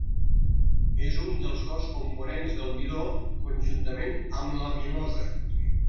És un dels dos components del midó conjuntament amb l'amilosa.